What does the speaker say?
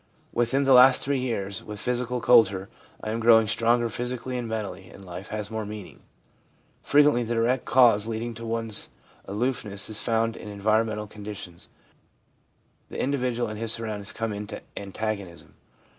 Within the last three years, with physical culture, I am growing stronger physically and mentally, and life has more meaning.' Frequently the direct cause leading to one's aloof ness is found in environmental conditions. The individual and his surroundings come into antagonism.